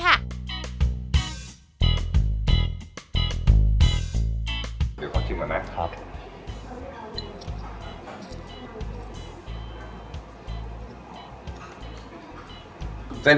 เดี๋ยวขอชิมกันนะครับ